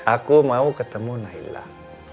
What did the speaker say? aku mau ketemu nailah